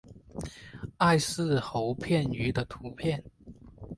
艾氏喉盘鱼的图片